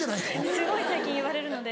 すごい最近言われるので。